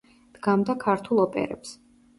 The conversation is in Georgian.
დგამდა ქართულ ოპერებს.